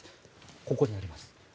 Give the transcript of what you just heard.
ここにあります。